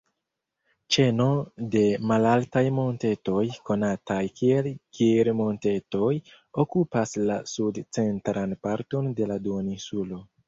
Ĉeno de malaltaj montetoj, konataj kiel Gir-Montetoj, okupas la sud-centran parton de la duoninsulo.